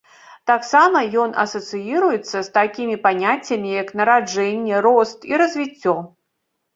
Таксама ён асацыіруецца з такімі паняццямі, як нараджэнне, рост і развіццё.